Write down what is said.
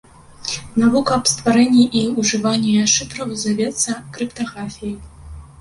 Навука аб стварэнні і ўжыванні шыфраў завецца крыптаграфіяй.